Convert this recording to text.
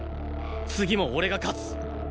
次も俺が勝つ！